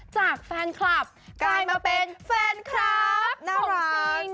จากแฟนคลับกลายมาเป็นแฟนคลับน่ารักจริง